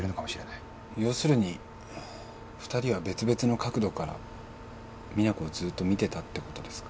要するに２人は別々の角度から実那子をずーっと見てたってことですか？